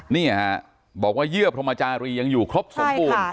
นี่ฮะบอกว่าเยื่อพรมจารียังอยู่ครบสมบูรณ์